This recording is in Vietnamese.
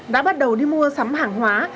đã bắt đầu đi mua sắm hàng hóa